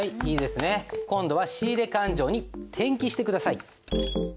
今度は仕入勘定に転記して下さい。